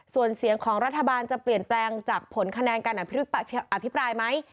ส่วนเสียงของรัฐบาลจะเปลี่ยนแปลงจากผลคะแนนการอภิปรายไหม